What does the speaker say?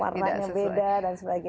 warnanya beda dan sebagainya